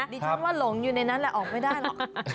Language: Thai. ดิฉันว่าหลงอยู่ในนั้นแหละออกไม่ได้หรอก